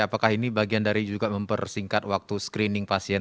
apakah ini bagian dari juga mempersingkat waktu screening pasien